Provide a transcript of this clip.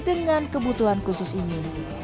dengan kebutuhan khusus ini